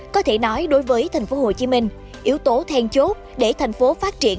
có thể nói đối với thành phố hồ chí minh yếu tố then chốt để thành phố phát triển